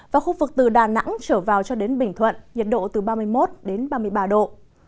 và khu vực từ đà nẵng trở vào cho đến bình thuận nhiệt độ từ ba mươi một đến ba mươi ba độ